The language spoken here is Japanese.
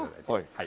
はい。